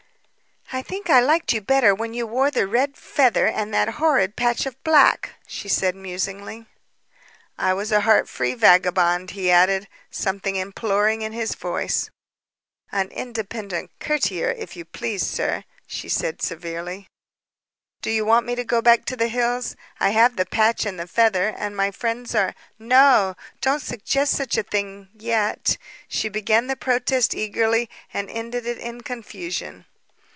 "I think I liked you better when you wore the red feather and that horrid patch of black," she said musingly. "And was a heart free vagabond," he added, something imploring in his voice. "An independent courtier, if you please, sir," she said severely. "Do you want me to go back to the hills? I have the patch and the feather, and my friends are " "No! Don't suggest such a thing yet." She began the protest eagerly and ended it in confusion.